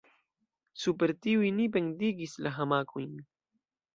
Super tiuj ni pendigis la hamakojn.